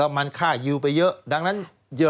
สวัสดีค่ะต้อนรับคุณบุษฎี